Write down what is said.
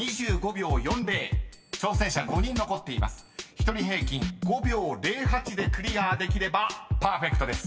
［１人平均５秒０８でクリアできればパーフェクトです］